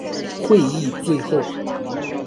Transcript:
会议最后